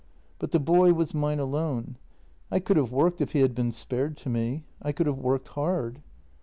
But the boy w r as mine alone. I could have worked if he had been spared to me. I could have worked hard.